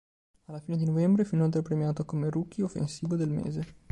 Alla fine di novembre fu inoltre premiato come rookie offensivo del mese.